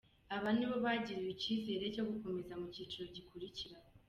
Aba nibo bagiriwe icyizere cyo gukomeza mu cyiciro gikurikiraho.